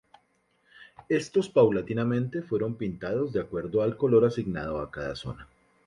Estos paulatinamente fueron pintados de acuerdo al color asignado a cada zona.